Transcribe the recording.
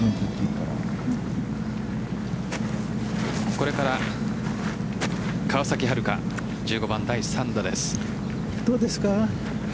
これから川崎春花１５番、第３打です。